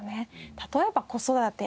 例えば子育て。